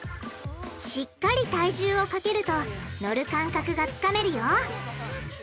しっかり体重をかけるとのる感覚がつかめるよ！